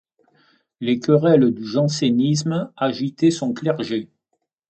Les querelles du jansénisme agitaient son clergé.